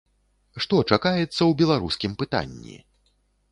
Што чакаецца ў беларускім пытанні?